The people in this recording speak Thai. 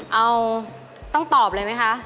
เอาต้องตอบเลยไหมคะ